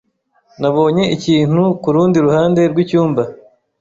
Nabonye ikintu kurundi ruhande rwicyumba.